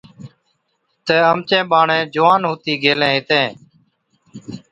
تہ اَمچين ٻاڙين جوان ھُتِي گيلين ھِتين